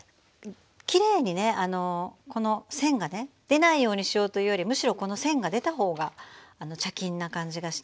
きれいにねこの線がね出ないようにしようというよりむしろこの線が出た方が茶巾な感じがしていいかと。